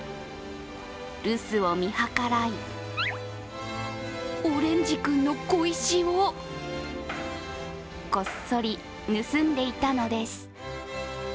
留守を見計らいオレンジ君の小石をこっそり盗んでいたのです。